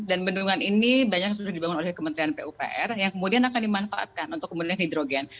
dan bendungan ini banyak sudah dibangun oleh kementerian pupr yang kemudian akan dimanfaatkan untuk pembelian hidrogen